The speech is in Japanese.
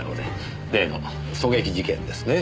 例の狙撃事件ですね。